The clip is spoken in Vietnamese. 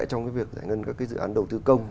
trong cái việc giải ngân các cái dự án đầu tư công